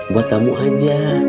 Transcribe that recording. buat kamu aja